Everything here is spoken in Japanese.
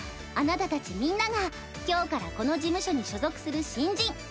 あなたたちみんなが今日からこの事務所に所属する新人。